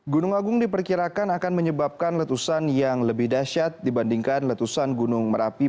gunung agung diperkirakan akan menyebabkan letusan yang lebih dahsyat dibandingkan letusan gunung merapi